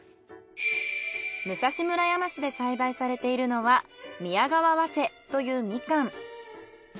武蔵村山市で栽培されているのは宮川早生というミカン。